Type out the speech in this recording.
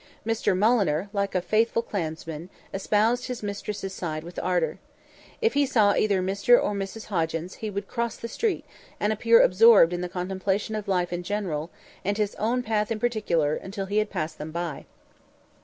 Mr Mulliner, like a faithful clansman, espoused his mistress' side with ardour. If he saw either Mr or Mrs Hoggins, he would cross the street, and appear absorbed in the contemplation of life in general, and his own path in particular, until he had passed them by.